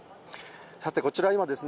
さてこちらはですね